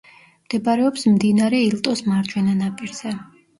მდებარეობს მდინარე ილტოს მარჯვენა ნაპირზე.